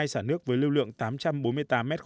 hai xả nước với lưu lượng tám trăm bốn mươi tám m ba